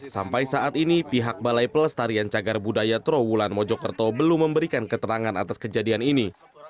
sampai saat ini pihak balai pelestarian cagar budaya trawulan mojokerto belum memberikan keterangan atas kejadian ini